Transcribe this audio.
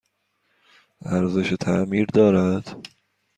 ارزش تعمیر دارد؟